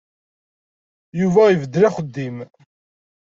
Yuba ibeddel axeddim.